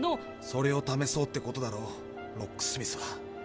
それをためそうってことだろロックスミスは。